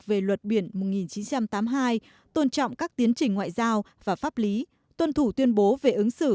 về luật biển một nghìn chín trăm tám mươi hai tôn trọng các tiến trình ngoại giao và pháp lý tuân thủ tuyên bố về ứng xử